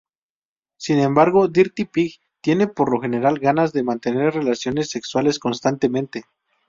Sin embargo, Dirty Pig tiene por lo general ganas de mantener relaciones sexuales constantemente.